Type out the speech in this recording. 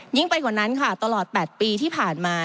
ไปกว่านั้นค่ะตลอด๘ปีที่ผ่านมา